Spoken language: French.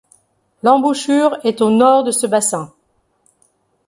L'embouchure est au nord de ce bassin.